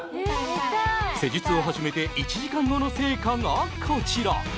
施術を始めて１時間後の成果がこちら。